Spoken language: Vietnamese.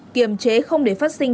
kiềm chế không để phát sinh